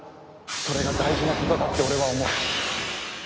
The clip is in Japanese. それが大事なことだって俺は思う。